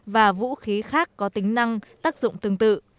và vũ khí khác có tính năng tác dụng tương tự